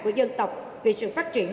của dân tộc vì sự phát triển